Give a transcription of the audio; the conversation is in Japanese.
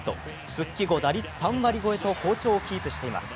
復帰後打率３割超えと好調をキープしています。